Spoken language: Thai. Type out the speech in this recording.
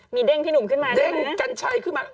มีเด้งพี่หนุ่มขึ้นมาเด้งกัญชัยขึ้นมา